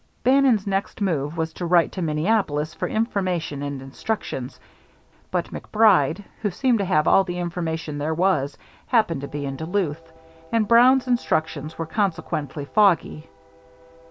Bannon's next move was to write to Minneapolis for information and instructions, but MacBride, who seemed to have all the information there was, happened to be in Duluth, and Brown's instructions were consequently foggy.